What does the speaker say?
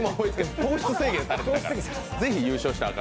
糖質制限されていたから。